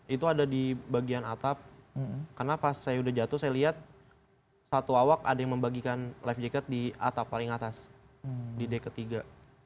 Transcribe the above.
itu ada di bagian atap karena pas saya sudah jatuh saya lihat satu awak ada yang membagikan life jacket di atap paling atas di day ketiga